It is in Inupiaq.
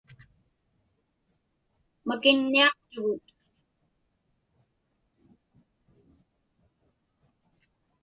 Makiññiaqtugut.